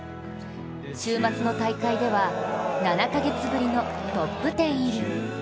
週末の大会では、７か月ぶりのトップ１０入り。